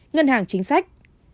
ngân hàng chính sách